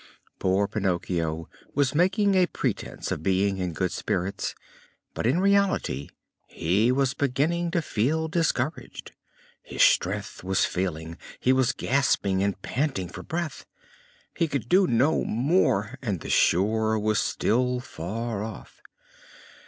Poor Pinocchio was making a pretense of being in good spirits, but in reality he was beginning to feel discouraged; his strength was failing, he was gasping and panting for breath. He could do no more, and the shore was still far off.